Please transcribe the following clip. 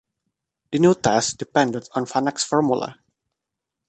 The new tests depended on Vanek's formula.